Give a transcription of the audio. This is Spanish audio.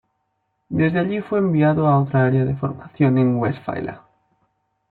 Desde allí fue enviado a otra área de formación en Westfalia.